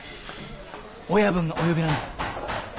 親分がお呼びなんだ。え？